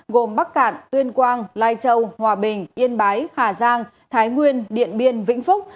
gồm bắc cạn tuyên quang lai châu hòa bình yên bái hà giang thái nguyên điện biên vĩnh phúc